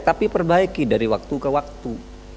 tapi perbaiki dari waktu ke waktu